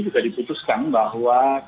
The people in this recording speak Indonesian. juga diputuskan bahwa p tiga